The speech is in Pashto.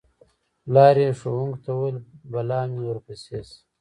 پلار یې ښوونکو ته وویل: بلا مې ورپسې شه.